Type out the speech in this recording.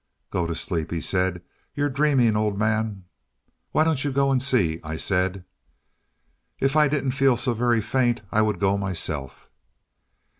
"Go to sleep," he said; "you're dreaming, old man." "Why don't you go and see?" I said. "If I didn't feel so very faint, I would go myself."